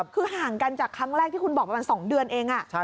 คือห่างกันจากครั้งแรกที่คุณบอกประมาณ๒เดือนเอง